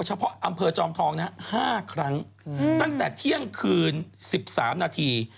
เฉพาะอำเภอจอมทอง๕ครั้งตั้งแต่เที่ยงคืน๑๓นาที